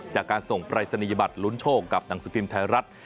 จากการส่งปรายศนียบัตรลุ้นโชคกับหนังสือพิมพ์ไทยรัฐ